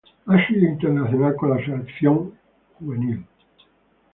Ha sido internacional con la selección de a nivel juvenil.